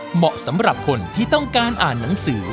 เหมาะสำหรับคนที่ต้องการอ่านหนังสือ